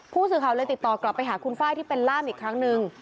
ผู้สื่อข่าวเลยติดต่อกลับไปหาคุณไฟล์ที่เป็นล่ามอีกครั้งหนึ่ง